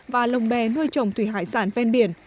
và lồng bè nuôi trồng thủy hải sản ven biển